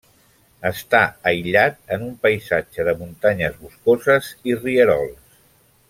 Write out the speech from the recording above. Està aïllat en un paisatge de muntanyes boscoses i rierols.